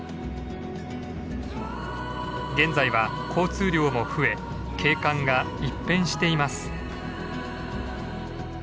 現在は交通量も増え景観が一変しています。